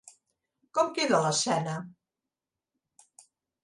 Com queda l'escena?